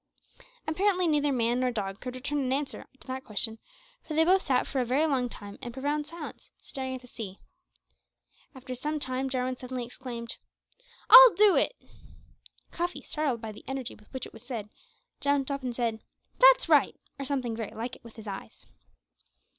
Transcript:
Apparently neither man nor dog could return an answer to that question, for they both sat for a very long time in profound silence, staring at the sea. After some time Jarwin suddenly exclaimed, "I'll do it!" Cuffy, startled by the energy with which it was said, jumped up and said, "That's right!" or something very like it with his eyes.